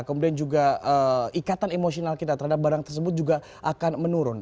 kemudian juga ikatan emosional kita terhadap barang tersebut juga akan menurun